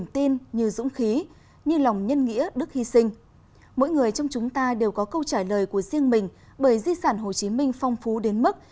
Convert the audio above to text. mỗi người trong chúng ta đều có câu trả lời của riêng mình bởi di sản hồ chí minh phong phú đến mức